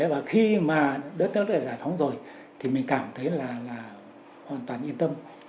và khi mà đất nước đã giải phóng rồi thì mình cảm thấy là hoàn toàn yên tâm